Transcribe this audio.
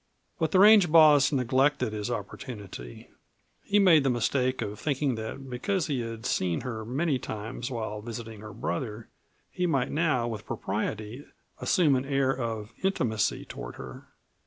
But the range boss neglected his opportunity. He made the mistake of thinking that because he had seen her many times while visiting her brother he might now with propriety assume an air of intimacy toward her.